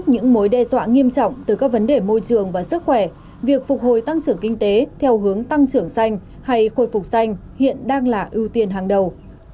những mối đe dọa nghiêm trọng từ các vấn đề môi trường và sức khỏe việc phục hồi tăng trưởng kinh tế theo hướng tăng trưởng xanh hay khôi phục xanh hiện đang là ưu tiên hàng đầu